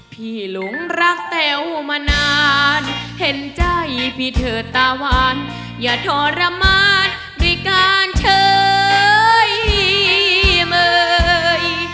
หลงรักแต๋วมานานเห็นใจพี่เถิดตาวานอย่าทรมานด้วยการเฉยเลย